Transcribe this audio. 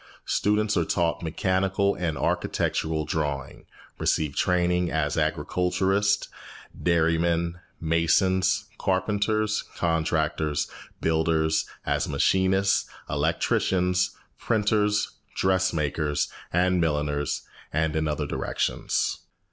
Students are taught mechanical and architectural drawing, receive training as agriculturists, dairymen, masons, carpenters, contractors, builders, as machinists, electricians, printers, dressmakers, and milliners, and in other directions.